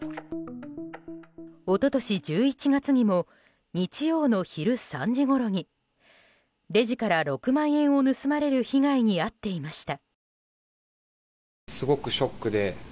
一昨年１１月にも日曜の昼３時ごろにレジから６万円を盗まれる被害に遭っていました。